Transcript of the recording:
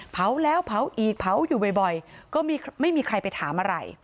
เผาแล้วเผาอีกเผาอยู่บ่อยก็ไม่มีใครไปถามอะไร